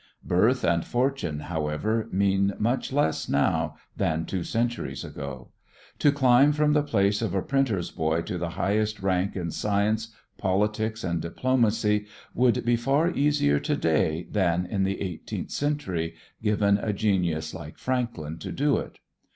Birth and fortune, however, mean much less now than two centuries ago. To climb from the place of a printer's boy to the highest rank in science, politics, and diplomacy would be far easier to day than in the eighteenth century, given a genius like Franklin to do it.